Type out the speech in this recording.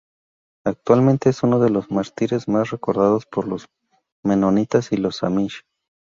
Actualmente es uno de los mártires más recordados por los menonitas y los amish.